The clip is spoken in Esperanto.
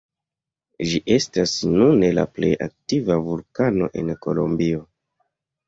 Ĝi estas nune la plej aktiva vulkano en Kolombio.